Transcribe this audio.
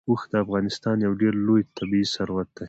اوښ د افغانستان یو ډېر لوی طبعي ثروت دی.